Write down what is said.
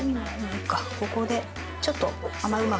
ここでちょっと。